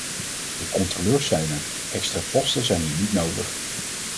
De controleurs zijn er, extra posten zijn hier niet nodig.